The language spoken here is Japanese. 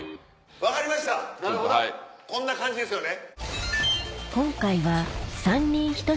分かりましたこんな感じですよね。